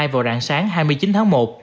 vào rạng sáng hai mươi chín tháng một